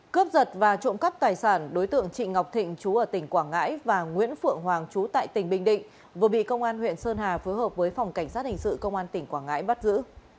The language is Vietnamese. cướp giật và trộm cắp tài sản đối tượng trịnh ngọc thịnh chú ở tỉnh quảng ngãi và nguyễn phượng hoàng chú tại tỉnh bình định vừa bị công an huyện sơn hà phối hợp với phòng cảnh sát hình sự công an tỉnh quảng ngãi bắt giữ